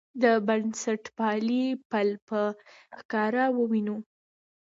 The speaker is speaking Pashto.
د بنسټپالنې پل په ښکاره ووینو.